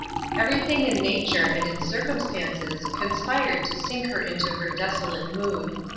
Everything in nature and in circumstances conspired to sink her into her desolate mood.